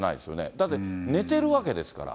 だって寝てるわけですから。